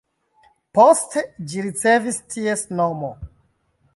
Poste ĝi ricevis ties nomo.